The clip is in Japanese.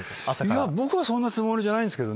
僕はそんなつもりじゃないけど。